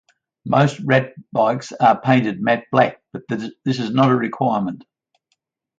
Most rat bikes are painted matte black but this is not a requirement.